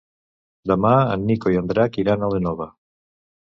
Demà en Nico i en Drac iran a l'Énova.